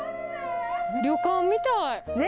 旅館みたい！ね！